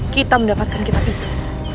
kita mendapatkan kita tidur